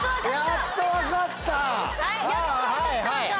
やっと分かったんだ。